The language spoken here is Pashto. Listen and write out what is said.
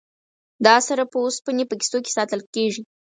دا سره په اوسپنې په کیسو کې ساتل کیږي.